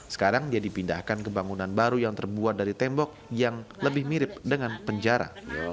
sekarang dia dipindahkan ke bangunan baru yang terbuat dari tembok yang lebih mirip dengan penjara